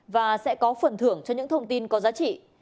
và sẽ có phần thưởng cho những thông tin có giá trị